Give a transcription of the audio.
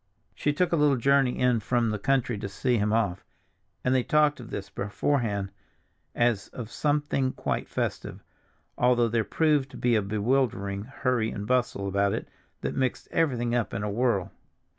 She took a little journey in from the country to see him off, and they talked of this beforehand as of something quite festive, although there proved to be a bewildering hurry and bustle about it that mixed everything up in a whirl.